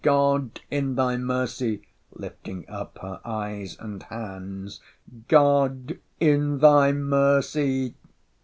—God, in thy mercy! [lifting up her eyes and hands] God, in thy mercy!